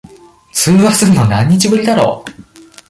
通話するの、何日ぶりだろ。